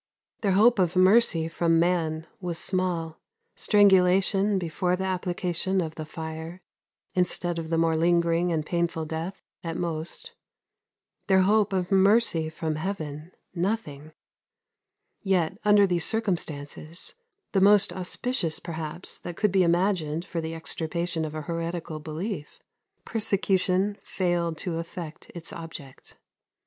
Their hope of mercy from man was small strangulation before the application of the fire, instead of the more lingering and painful death at most; their hope of mercy from Heaven, nothing; yet, under these circumstances, the most auspicious perhaps that could be imagined for the extirpation of a heretical belief, persecution failed to effect its object.